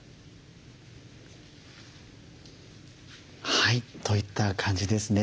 はいといった感じですね。